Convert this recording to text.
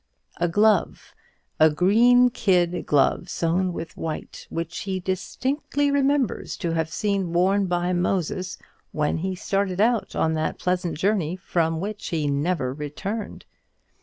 a glove, a green kid glove sewn with white, which he distinctly remembers to have seen worn by Moses when he started on that pleasant journey from which he never returned.